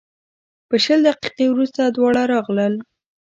په شل دقیقې وروسته دواړه راغلل.